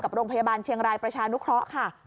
โรงพยาบาลเชียงรายประชานุเคราะห์ค่ะ